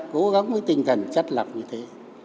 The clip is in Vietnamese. cố gắng với tinh thần chất lập như thế